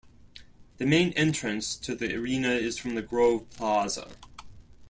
The main entrance to the arena is from the Grove Plaza.